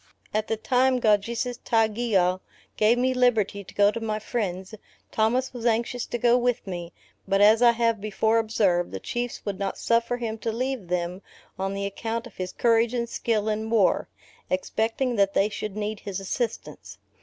At the time Kaujisestaugeau gave me my liberty to go to my friends, Thomas was anxious to go with me; but as I have before observed, the Chiefs would not suffer him to leave them on the account of his courage and skill in war: expecting that they should need his assistance.